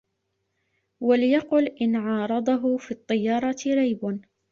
وَلْيَقُلْ إنْ عَارَضَهُ فِي الطِّيَرَةِ رَيْبٌ